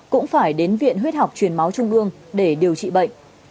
cũng phải đến viện huyết học truyền máu trung ương để điều trị bệnh